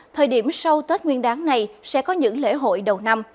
thời điểm sau tết nguyên đáng này sẽ có những lễ hội đầu năm